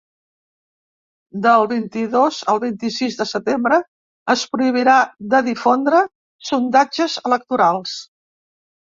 Del vint-i-dos al vint-i-sis de setembre es prohibirà de difondre sondatges electorals.